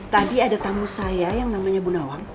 tadi ada tamu saya yang namanya bu nawang